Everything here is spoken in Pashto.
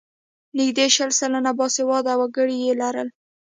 نږدې شل سلنه باسواده وګړي یې لرل.